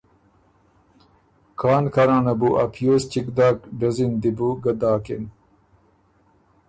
کان کانه بُو ا پیوز چِګ داک ډزی ن دی بو ګۀ داکِن۔